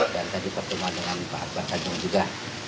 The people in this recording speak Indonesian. dan tadi bertemu dengan pak abudullah panjung juga